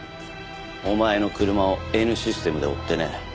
お前の車をＮシステムで追ってね。